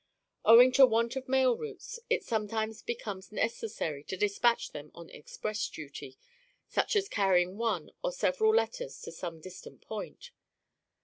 Owing to want of mail routes, it sometimes becomes necessary to dispatch them on express duty, such as carrying one, or several letters to some distant point.